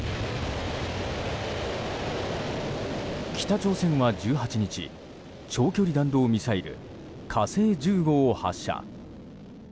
北朝鮮は１８日長距離弾道ミサイル「火星１５」を発射。